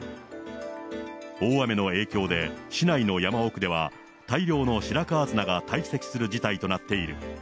大雨の影響で、市内の山奥では大量の白川砂が堆積する事態となっている。